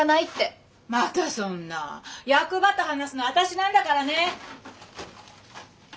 またそんな役場と話すの私なんだからね！